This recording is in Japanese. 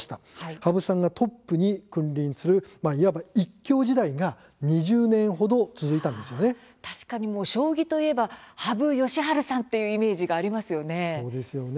羽生さんがトップに君臨するいわば、一強時代が確かに将棋といえば羽生善治さんというイメージがありますよね。